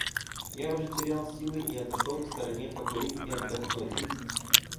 Я уже терял силы и отошел к стороне покурить и отдохнуть.